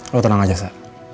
lo tenang aja sa